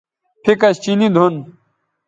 پھیکش چینی دُھن